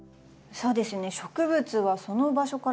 そうですよね。